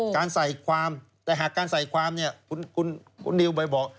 การใส่ความแต่หากการใส่ความเนี่ยคุณนิวไปบอก